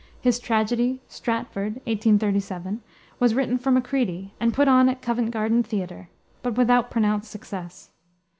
His tragedy, Stratford (1837), was written for Macready, and put on at Covent Garden Theater, but without pronounced success.